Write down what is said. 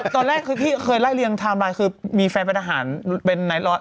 ตอนแรกที่เคยไล่เรียงทำอะไรคือมีแฟนเป็นอาหารเป็นไหน